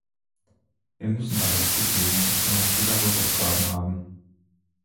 Wir müssen aber zugeben, dass wir noch viele Hausaufgaben haben.